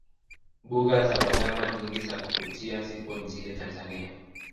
mbuga za wanyama nyingi za kuvutia zipo nchini tanzania